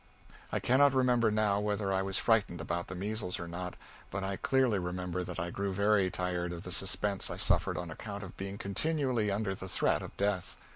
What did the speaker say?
I cannot remember now whether I was frightened about the measles or not, but I clearly remember that I grew very tired of the suspense I suffered on account of being continually under the threat of death.